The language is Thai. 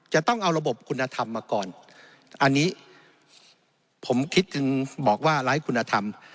จะต้องเอาระบบคุณธรรมมาก่อนอันนี้ผมคิดถึงบอกว่าไร้คุณธรรม